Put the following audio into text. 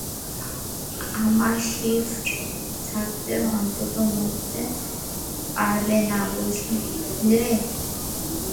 আমার শিফট থাকতে অন্তত মরতে পারবে না, বুঝলে?